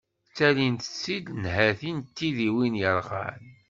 Ttalint-tt-id nnhati n tidiwin yerɣan.